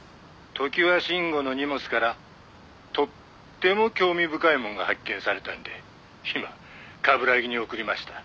「常盤臣吾の荷物からとっても興味深いものが発見されたんで今冠城に送りました。